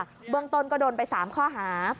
เบื้องต้นก็โดนไป๓ข้อหา